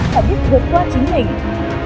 và biết vượt qua chính mình